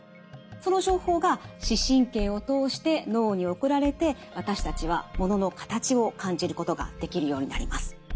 その情報が視神経を通して脳に送られて私たちはものの形を感じることができるようになります。